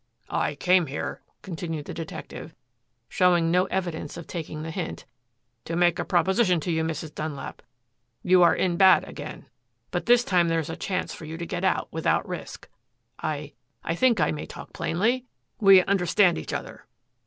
"I came here," continued the detective showing no evidence of taking the hint, "to make a proposition to you. Mrs. Dunlap, you are in bad again. But this time there is a chance for you to get out without risk. I I think I may talk plainly? We understand each other!"